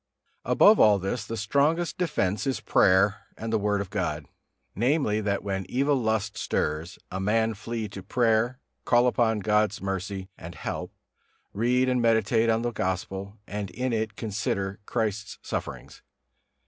Above all this, the strongest defence is prayer and the Word of God; namely, that when evil lust stirs, a man flee to prayer, call upon God's mercy and help, read and meditate on the Gospel, and in it consider Christ's sufferings.